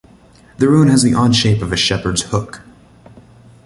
The road has the odd shape of a shepherd's hook.